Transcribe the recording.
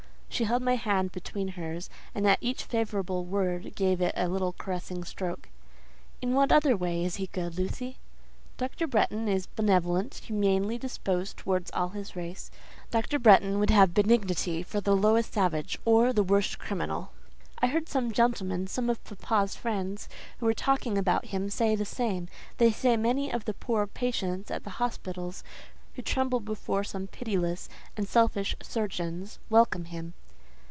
She held my hand between hers, and at each favourable word gave it a little caressing stroke. "In what other way is he good, Lucy?" "Dr. Bretton is benevolent—humanely disposed towards all his race, Dr. Bretton would have benignity for the lowest savage, or the worst criminal." "I heard some gentlemen, some of papa's friends, who were talking about him, say the same. They say many of the poor patients at the hospitals, who tremble before some pitiless and selfish surgeons, welcome him."